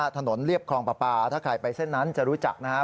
ถนนเรียบคลองปลาปลาถ้าใครไปเส้นนั้นจะรู้จักนะครับ